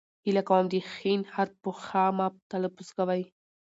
هیله کوم د ښ حرف په خ مه تلفظ کوئ.!